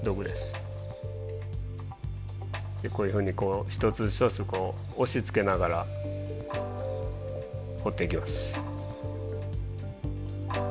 こういうふうにこう一つ一つこう押しつけながら彫っていきます。